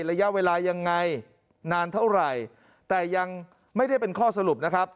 ระยะเวลายังไงนานเท่าไหร่แต่ยังไม่ได้เป็นข้อสรุปนะครับ